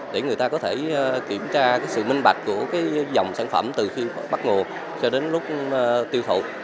để người ta có thể kiểm tra sự minh bạch của dòng sản phẩm từ khi bắt nguồn cho đến lúc tiêu thụ